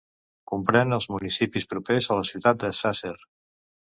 Comprèn els municipis propers a la ciutat de Sàsser.